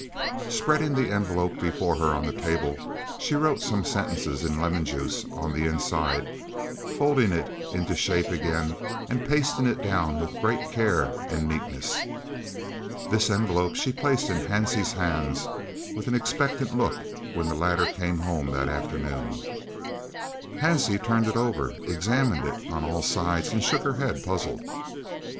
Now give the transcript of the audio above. Spreading the envelope before her on the table, she wrote some sentences in lemon juice on the inside, folding it into shape again and pasting it down with great care and neatness. This envelope she placed in Hansie's hands, with an expectant look, when the latter came home that afternoon. Hansie turned it over, examined it on all sides and shook her head, puzzled.